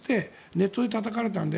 ネットでたたかれたので。